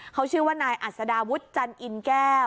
เขาชื่อแนนอัศดาวุฒเจ้า